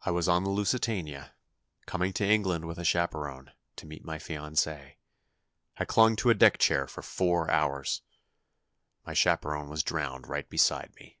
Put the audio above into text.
"I was on the Lusitania, coming to England with a chaperon, to meet my fiancé. I clung to a deck chair for four hours. My chaperon was drowned right beside me."